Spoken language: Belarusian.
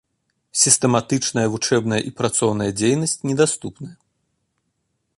Сістэматычная вучэбная і працоўная дзейнасць недаступная.